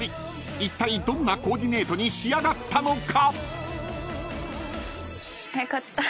［いったいどんなコーディネートに仕上がったのか？］